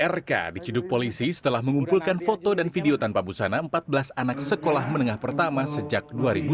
rk diciduk polisi setelah mengumpulkan foto dan video tanpa busana empat belas anak sekolah menengah pertama sejak dua ribu sepuluh